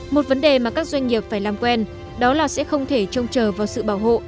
một vấn đề mà các doanh nghiệp phải làm quen đó là sẽ không thể trông chờ vào sự bảo hộ